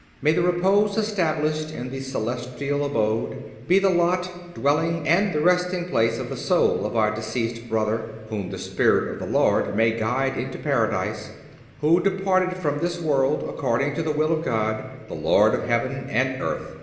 May the repose established in the celestial abode ... be the lot, dwelling and the resting place of the soul of our deceased brother (whom the Spirit of the Lord may guide into Paradise), who departed from this world, according to the will of God, the Lord of heaven and earth.